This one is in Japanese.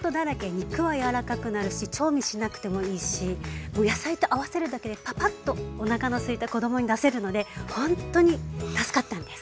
肉は柔らかくなるし調味しなくてもいいしもう野菜と合わせるだけでパパッとおなかのすいた子供に出せるのでほんとに助かったんです。